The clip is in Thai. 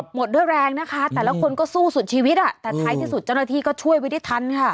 หมดด้วยแรงนะคะแต่ละคนก็สู้สุดชีวิตอ่ะแต่ถ้ายสุดจนทีก็ช่วยไปที่ทั้งค่ะ